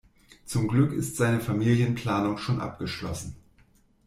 Zum Glück ist seine Familienplanung schon abgeschlossen.